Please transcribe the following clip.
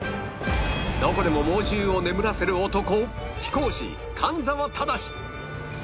どこでも猛獣を眠らせる男気功師神沢瑞至